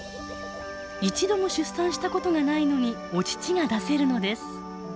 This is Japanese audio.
一度も出産したことがないのにお乳が出せるのです。